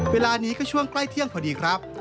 เวลานี้ก็ช่วงใกล้เที่ยงพอดีครับ